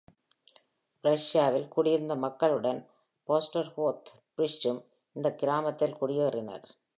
பிரஷ்யாவில் குடியிருந்த மக்களுடன் பாஸ்டர் கோத்தார்ட் ஃபிரிட்ஷும் இந்த கிராமத்தில் குடியேறினார்.